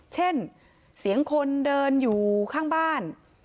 เช่นเสียงคนเดินอยู่ข้างบ้าน